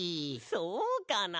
そうかな？